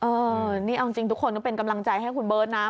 นี่เอาจริงทุกคนต้องเป็นกำลังใจให้คุณเบิร์ตนะ